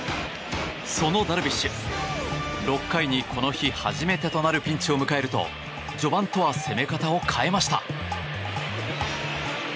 そのダルビッシュ６回に、この日初めてとなるピンチを迎えると序盤とは攻め方を変えました。